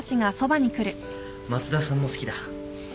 松田さんも好きだ。